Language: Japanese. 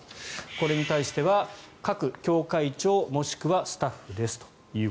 これに対しては各教会長もしくはスタッフですと。